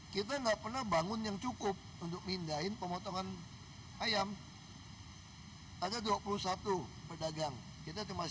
kita tidak pernah bangun yang cukup untuk pindahkan pemotongan ayam